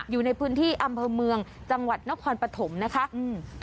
อยู่ในพื้นที่อำเภอเมืองจังหวัดนครปฐมนะคะอืม